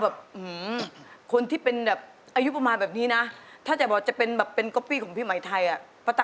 ฮักอายชอบมาจนแย่ส่อยให้เป็นรักแท้สู่เรา